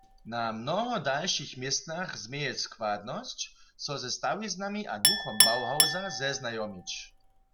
Na mnoho dalšich městnach změješ składnosć, so ze stawiznami a duchom Bauhausa zeznajomić.